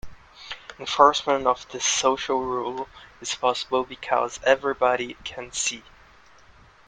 Enforcement of this social rule is possible because everybody can see.